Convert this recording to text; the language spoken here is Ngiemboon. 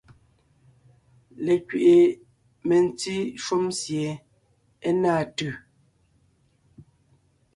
Lekẅiʼi mentí shúm sie é náa tʉ̀.